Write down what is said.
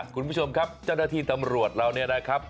คุณผู้ชมครับเจ้าหน้าที่ตำรวจเราเนี่ยนะครับ